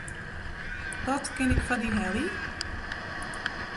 Wat kin ik foar dy helje?